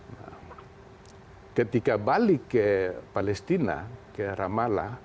nah ketika balik ke palestina ke ramallah